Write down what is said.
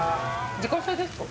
自家製ですか？